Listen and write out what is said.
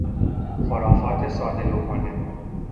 خرافات ساده لوحانه